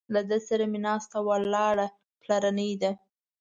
له ده سره مې ناسته ولاړه پلرنۍ ده.